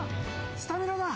スタミナだ。